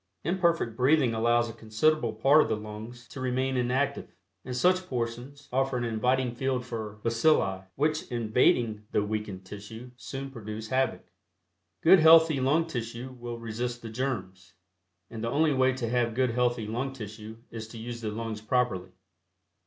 Imperfect breathing allows a considerable part of the lungs to remain inactive, and such portions offer an inviting field for bacilli, which invading the weakened tissue soon produce havoc. Good healthy lung tissue will resist the germs, and the only way to have good healthy lung tissue is to use the lungs properly.